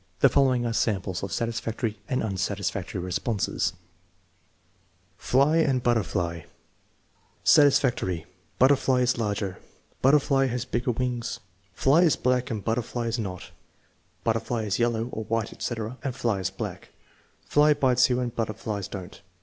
The following are samples of satisfactory and unsatisfactory responses: Fly and butterfly Satisfactory. "Butterfly is larger." "Butterfly has bigger wings." "Fly is black and a butterfly is not." "Butterfly is yellow (or white, etc.) and fly is black." "Fly bites you and butterfly don't."